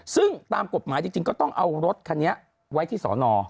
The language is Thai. ซึ่งตามกฎหมายจริงก็ต้องเอารถคันนี้ไว้ที่สอนอ